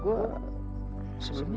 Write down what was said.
kenapa gue sekarang bete ya